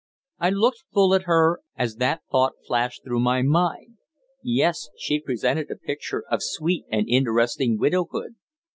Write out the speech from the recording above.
I looked full at her as that thought flashed through my mind. Yes, she presented a picture of sweet and interesting widowhood.